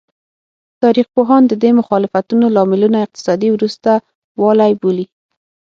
تاریخ پوهان د دې مخالفتونو لاملونه اقتصادي وروسته والی بولي.